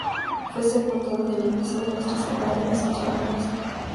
Fue sepultado en la iglesia de Nuestra Señora de la Asunción en Arizpe.